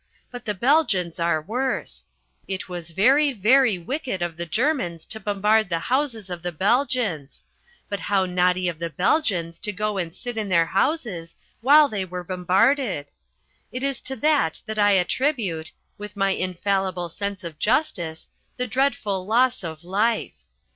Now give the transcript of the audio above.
But the Belgians are worse. It was very, very wicked of the Germans to bombard the houses of the Belgians. But how naughty of the Belgians to go and sit in their houses while they were bombarded. It is to that that I attribute with my infallible sense of justice the dreadful loss of life.